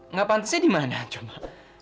nggak pantasnya di mana cuma